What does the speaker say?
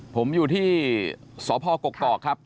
ผมอยู่ที่สพกกอกครับ